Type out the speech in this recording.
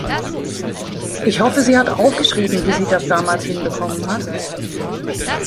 Ich hoffe, sie hat aufgeschrieben, wie sie das damals hinbekommen hat.